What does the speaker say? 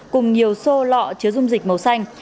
cùng nhiều xô lọ chứa dung dịch màu xanh